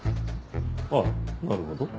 ああなるほど。